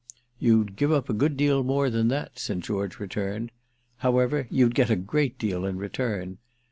"You'd give up a good deal more than that," St. George returned. "However, you'd get a great deal in return.